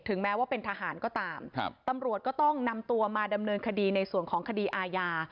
แม้ว่าเป็นทหารก็ตามตำรวจก็ต้องนำตัวมาดำเนินคดีในส่วนของคดีอาญา